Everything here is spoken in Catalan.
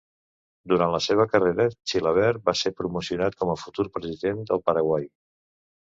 Durant la seva carrera, Chilavert es va promocionar com a futur president del Paraguai.